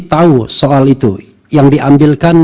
tahu soal itu yang diambilkan